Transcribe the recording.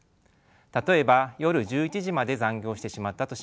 例えば夜１１時まで残業してしまったとします。